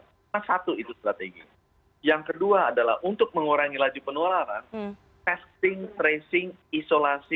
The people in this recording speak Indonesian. karena satu itu strategi yang kedua adalah untuk mengurangi laju penularan testing tracing isolasi